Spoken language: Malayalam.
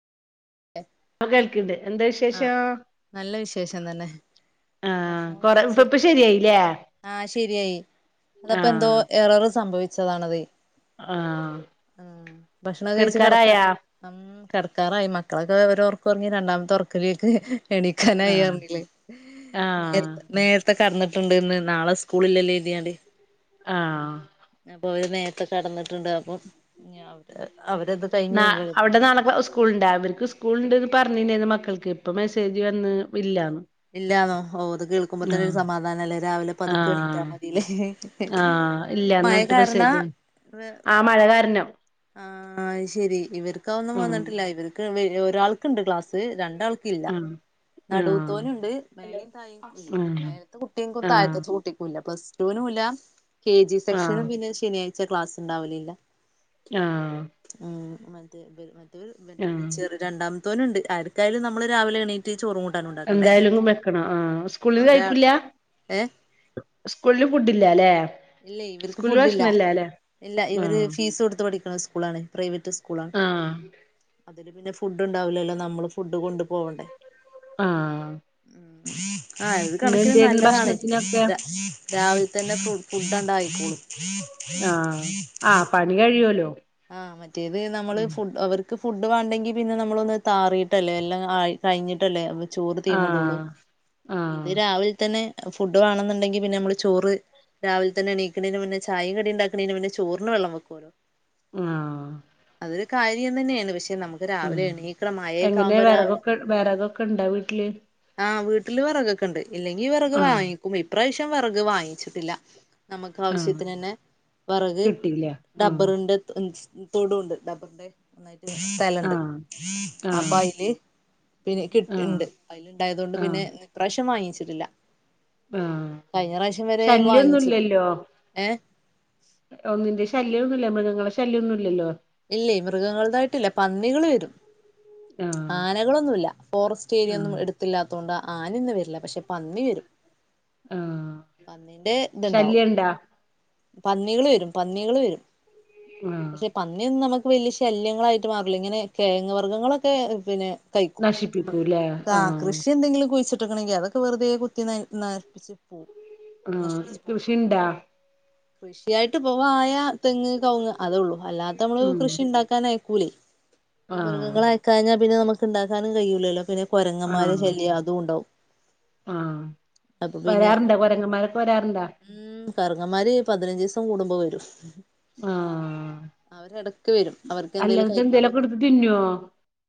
എഹ് ഇപ്പൊ കേൾക്ക്ണ്ട് എന്താ ആഹ് വിശേഷം നല്ല വിശേഷം തന്നെ. ആഹ് ഭക്ഷണൊക്കെ കൊറെ ഇപ്പ കയിച്ച് ഇപ്പ ശരിയായില്ലേ ആഹ് ശെരിയായി. അതപ്പന്തോ ആഹ് എററ് സംഭവിച്ചതാണതെ. ആഹ് ആഹ് ഭക്ഷണൊക്കെ കയിച്ച് കെടക്കാ. കെടക്കാറായാ ഉഹം കെടക്കാറായി മക്കളൊക്കെ റൊ റക്ക് ഒറങ്ങി രണ്ടാമത്തെ ഓറക്ക ലേക്ക് എണി ആഹ് ക്കാനായിറഞ്ഞിലെ ഹ്.. ആഹ് നേര്ത്ത നേര ക്കെ കെടന്ന്ട്ട് ണ്ട്ന്ന് നാളെ സ്കൂളില്ലല്ലേ എര്തിയാണ്ടെ. ആ.. ഹ് അപ്പൊ അവര് നേരത്തെ കെടന്നിട്ട്ണ്ട് അപ്പൊ. [unintelligible] അവ്‌രെ ന്നാഅവ്ടെ നാളക്ക സ്കൂളിണ്ടാവി ഇന്ന് സ്കൂള്ണ്ട്ന്ന് പറഞ്ഞീന്നുഇന്ന് മക്കൾക്ക് ഇപ്പ മെസ്സേജ് വന്ന് വില്ലാന്ന്. ഇല്ലാന്നോ. അവ്വത്കേൾ ക്കുമ്പത്തന്നെ ഒരു സമാധാനല്ലേ, രാവിലെ പതുക്കെണീറ്റാ ആഹ് മതില്ലേ ഹ് ഹെ ഹെ ആഹ് ആ മഴ കാരണാ. വെഹ്. ആ മഴ കാരണം ആ ആഹ് ശെരി ഇവര്ക്ക് അഒന്നും ഉം വന്നിട്ടില്ല ഇവര്ക്ക് ഒരാൾക്ണ്ട് ക്ലാസ് രണ്ടാൾ ഇല്ലാ ആഹ് ആഹ് നടൂത്തോനുണ്ട് മേലീം തായീം ഇല്ല. ആഹ് മേലത്തെ കുട്ടിക്കും ആഹ് തായത്തെകുട്ടിക്കും ല്ല പ്ലസ് [inaudible] കെ ജി ആഹ് സെക്ഷനും പിന്നെ ശനിയാഴ്ച ക്ലാസ്ണ്ടാവലില്ല. ആഹ്. ഉം മറ്റേ ബ മറ്റേ ബര് ആഹ് [inaudible] ചെറി രണ്ടാമത്തോന്ണ്ട് ആര്ക്കായാലും നമ്മള് രാവിലെ എണീ റ്റ് ചോറുംകൂട് എന്തായാലും ങ്ങു വെക്കണം ആഹ് സ്കൂളിന്ന് ഒരാൾ കയിക്കൂല്ലാ. ഏഹ് സ്കൂളില് ഫുഡില്ലാല്ലെ. ഇല്ലൈ ഇവർക്ക് ഫുഡില്ല. ഇല്ല ഇവര് ആഹ് ഫീസ് കൊടുത്ത് പഠിക്കണ സ്കൂളാണ്. പ്രൈവറ്റ് സ്കൂളാ.. ആഹ് അതില് പിന്നെ ഫുഡുണ്ടാവില്ലല്ലോ നമ്മള് ഫുഡ് കൊണ്ട്പോവണ്ടേ. ആഹ്. ഉം ആ ഇത് ഇന്ന് കണക്കിന് എന്തേരുന്നു നല്ലതാണ് ഭക്ഷണത്തിനൊക്കെ രാ രാവിലെ തന്നെ ഫു ഫുഡണ്ടായിക്കോളും. ആഹ് ആ പണി കഴിയൊല്ലോ. ആഹ് മറ്റേത് നമ്മള് ഫുഡ് അവർക്ക് ക്ക് ഫുഡ് വാണ്ടെങ്കി പിന്നെ നമ്മളൊന്ന് താറിയിട്ടല്ലേ എല്ലാം ആഴി കഴിഞ്ഞിട്ടല്ലേ മ്മള്. ചോറ് തീമടൊള്ളു. ആഹ് ഇത് ആഹ് രാവിലെ തന്നെ ഫുഡ് വാണെന്ന്ണ്ടെങ്കി പിന്നെ നമ്മള് ചോറ്. ച് രാവിൽ തന്നെ ണീക്കണേന് മുന്നെ ചായീം കടിണ്ടാക്കണെന്ന് മുന്നെ ചോറിന് വെള്ളം വെക്കൊല്ലോ. ങ്ആഹ്. അതൊരു കാര്യം തന്യേ ണ് പക്ഷെ നമുക്ക്. ത് ആഹ് രാവിലെണീക്കണം മയെക്കെ എങ്ങനെ ആവുമ്പൊ രാവിലെ. വെറകൊക്കെ വെറകൊക്കെ ഇണ്ടാ വീട്ടില് ആഹ് വീട്ടില് വിറകൊക്കെ ഉണ്ട് ഇല്ലെങ്കി വിറക് ആഹ് വാങ്ങിക്കും ഇപ്രാവശ്യം വിറക് വാങ്ങിച്ചിട്ടില്ല നമുക്ക് ആഹ് ആവശ്യത്തിന് തന്നെ വിറക് കിട്ടീല്ലേ ആഹ് ഡബ്ബറുണ്ട് തോടുണ്ട് ഡബ്ബറിന്റെ ഓന്നായിട്ട് സ്ഥലണ്ട് ആഹ് ആഹ് അപ്പൊ അയില്. പിന്നെ കിട്ട് ആഹ് ഇണ്ട് അയില് ണ്ടായതോണ്ട് പിന്നെ ആഹ് ഇപ്രാവശ്യം വാങ്ങിച്ചിട്ടില്ല. ആഹ് കഴി ഞ്ഞ പ്രാവശ്യം വരെ വാങ്ങിച്ച് ശല്യൊന്നുല്ലല്ലോ ഏഹ്. ഒന്നിന്റെ ശല്യന്നുല്ല മൃഗങ്ങളെ ശല്യൊന്നുല്ലല്ലോ. ഇല്ലേയ് മൃഗങ്ങളതായിട്ടില്ല. പന്നികള് വരും. ആഹ് ആനകളൊന്നൂല്ല ഫോറസ്റ്റ് ഏരിയൊന്നും ആഹ് എട്ത്തില്ലാത്തോണ്ട് ആനയൊന്നും വരില്ല പക്ഷെ പന്നി വരും. ആഹ് പന്നിന്റെത്ണ്ടാവും ശല്യണ്ടാ പന്നികള് വരും, പന്നികള് വരും. ആ.,.. പന്നി ഒന്നും നമുക്ക് വലിയ ശല്യങ്ങളായിട്ട് മാറില്ല ഇങ്ങനെ കെയങ് വർഗ്ഗങ്ങളൊക്കെ പിന്നെ [unintelligible] നശിപ്പിക്കൂല്ലേ ആ ആഹ് കൃഷി എന്തെങ്കിലും കുഴിച്ചിട്ടക്കണെങ്കിൽ അത് വെറുതെ കുത്തി ന നശിപ്പിച്ച് പോവും ആഹ് നശിപ്പിച്ചു പോവും കൃഷി ഇണ്ടാ കൃഷിയായിട്ട് പ്പോ വായ തെങ്ങ് കവുങ്ങ് അതൊള്ളൂ. അല്ലാത്ത നമ്മള് ഉം കൃഷി ഉണ്ടാക്കാനായിക് ഈ ആഹ് മൃഗങ്ങൾ ആയിക്കഴിഞ്ഞാൽ പിന്നെ നമുക്ക് ഇണ്ടാക്കാനും കഴിയൂല്ലല്ലോ പിന്നെ കൊരങ്ങമ്മാരെ ആഹ് ശല്യം അതുംണ്ടാവും. ആഹ് വരാറുണ്ടോ കൊരങ്ങമ്മാരൊക്കെ വരാറുണ്ടോ ഉം കറങ്ങന്മാര് പതിനഞ്ച് ദിവസം കൂടുമ്പോ വരും ആഹ് അവരിടക്ക് വരും അവർക്ക് എന്തേലും കഴിക്കാൻ പറ്റി തിന്നോ